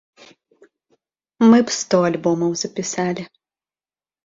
Мы б сто альбомаў запісалі.